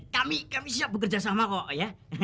kami kami siap bekerja sama kok ya